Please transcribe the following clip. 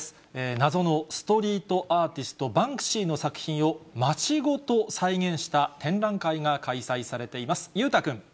謎のストリートアーティスト、バンクシーの作品を街ごと再現した展覧会が開催されています。